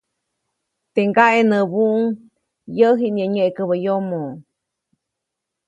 Teʼ ŋgaʼe näbuʼuŋ, -yäʼ jiʼnyäʼä nyeʼkäbä yomo-.